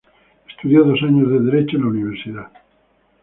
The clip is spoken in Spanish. Estudió dos años de Derecho en la universidad.